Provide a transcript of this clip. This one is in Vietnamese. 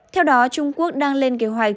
theo đó trung quốc đang lên kế hoạch